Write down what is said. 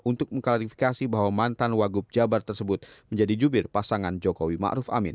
untuk mengklarifikasi bahwa mantan wagup jabar tersebut menjadi jubir pasangan jokowi maruf amin